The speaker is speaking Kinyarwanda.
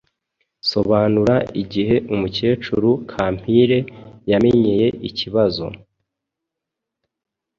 Sobanura igihe umukecuru Kampire yamenyeye ikibazo